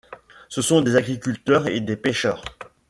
Ce sont des agriculteurs et des pêcheurs.